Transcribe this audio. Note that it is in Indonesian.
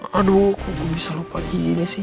aduh kok bisa lupa gini sih